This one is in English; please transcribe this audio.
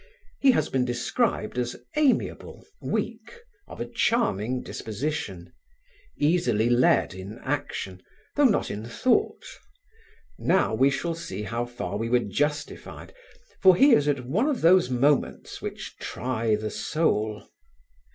He has been described as amiable, weak, of a charming disposition easily led in action, though not in thought: now we shall see how far we were justified, for he is at one of those moments which try the soul.